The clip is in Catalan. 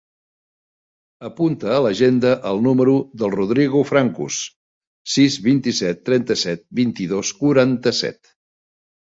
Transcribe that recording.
Apunta a l'agenda el número del Rodrigo Francos: sis, vint-i-set, trenta-set, vint-i-dos, quaranta-set.